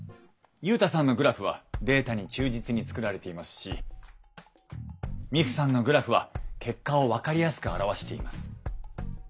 ユウタさんのグラフはデータに忠実に作られていますしミクさんのグラフは結果を分かりやすく表しています。